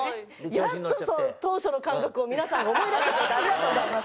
やっと当初の感覚を皆さんが思い出してくれてありがとうございます。